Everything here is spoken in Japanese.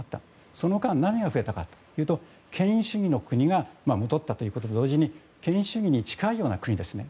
その間、何が増えたかというと権威主義の国が戻ったということと同時に権威主義に近いような国ですね